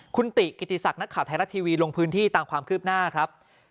คุณติกิติศักดิ์นักข่าวไทยรัฐทีวีลงพื้นที่ตามความคืบหน้าครับ